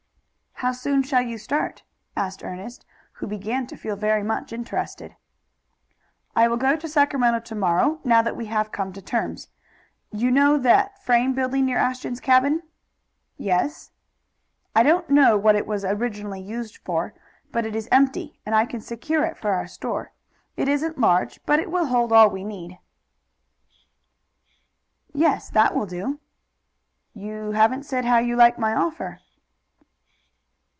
"How soon shall you start?" asked Ernest, who began to feel very much interested. "I will go to Sacramento to morrow, now that we have come to terms. You know that frame building near Ashton's cabin?" "Yes." "I don't know what it was originally used for, but it is empty and I can secure it for our store. It isn't large, but it will hold all we need." "Yes, that will do." "You haven't said how you like my offer."